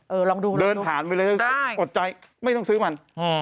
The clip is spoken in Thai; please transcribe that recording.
ลองดูเดินผ่านไปเลยอดใจไม่ต้องซื้อมัน